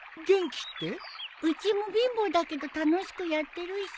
うちも貧乏だけど楽しくやってるしさ。